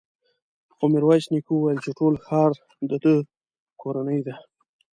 خو ميرويس نيکه وويل چې ټول ښار د ده کورنۍ ده.